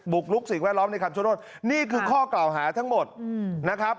กลุกสิ่งแวดล้อมในคำชโนธนี่คือข้อกล่าวหาทั้งหมดนะครับ